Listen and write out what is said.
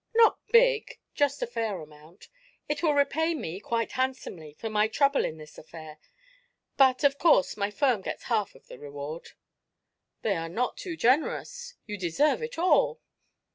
"Not big; just a fair amount. It will repay me, quite handsomely, for my trouble in this affair; but, of course, my firm gets half of the reward." "They are not too generous. You deserve it all."